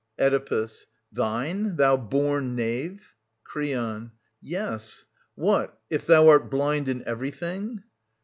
Oedipus. Thine, thou born knave I Creon. Yes. ... What, if thou art blind in everything